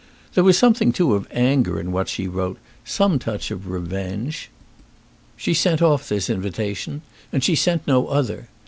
There was something too of anger in what she wrote, some touch of revenge. She sent off this invitation, and she sent no other.